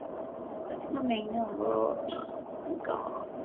katika maeneo ambayo wanyama hukusanyika kwa mfano mahali pa kunywa maji na pa kuramba